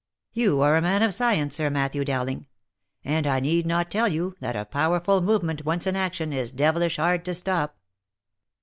You are a man of science, Sir Mat thew Dowling ; and I need not tell you, that a powerful movement once in action, is devilish hard to stop.